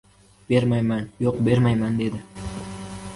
— Bermayman, yo‘q, bermayman! — dedi.